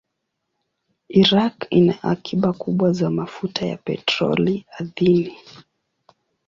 Iraq ina akiba kubwa za mafuta ya petroli ardhini.